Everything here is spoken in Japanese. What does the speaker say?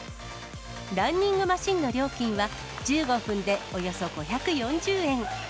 ランニングマシンの料金は、１５分でおよそ５４０円。